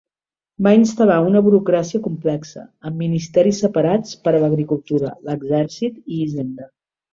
Va instal·lar una burocràcia complexa, amb ministeris separats per a l'agricultura, l'exèrcit, i Hisenda.